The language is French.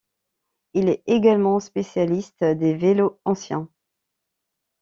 Il est également spécialiste des vélos anciens.